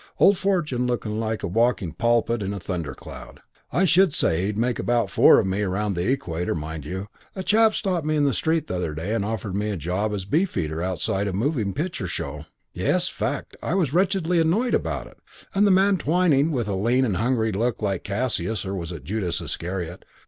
Old Fortune looking like a walking pulpit in a thundercloud I should say he'd make about four of me round the equator; and mind you, a chap stopped me in the street the other day and offered me a job as Beefeater outside a moving picture show: yes, fact, I was wretchedly annoyed about it and the man Twyning with a lean and hungry look like Cassius, or was it Judas Iscariot?